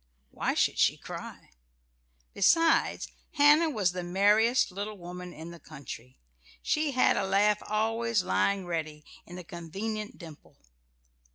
Why should she cry? Besides, Hannah was the merriest little woman in the country. She had a laugh always lying ready in a convenient dimple.